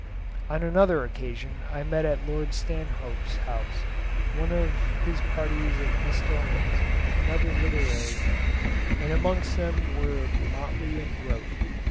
On another occasion I met at Lord Stanhope's house, one of his parties of historians and other literary men, and amongst them were Motley and Grote.